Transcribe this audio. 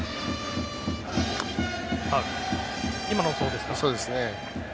今のもそうですね。